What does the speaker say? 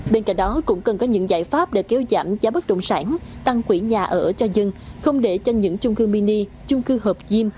bên cạnh đó cũng cần có những giải pháp để kéo giảm giá bất động sản tăng quỹ nhà ở cho dân không để cho những trung cư mini chung cư hợp diêm